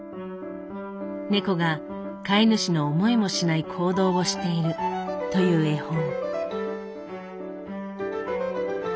猫が飼い主の思いもしない行動をしているという絵本。